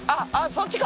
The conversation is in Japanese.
そっちか。